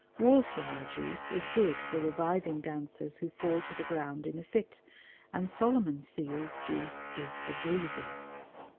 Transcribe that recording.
Wall flower juice is good for reviving dancers who fall to the ground in a fit, and Solomon's Seals juice is for bruises.